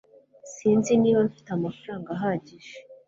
Sinzi niba mfite amafaranga ahagije